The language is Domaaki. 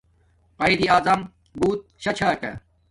قایداعظم بوت شاہ چھا کا